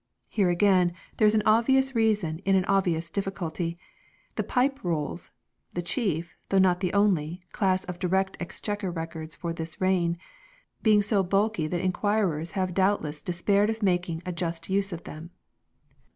Here again there is an obvious reason in an obvious difficulty; the Pipe Rolls (the chief, though not the only, class of direct Exchequer Records for this reign) being so bulky that inquirers have doubtless de spaired of making a just use of them.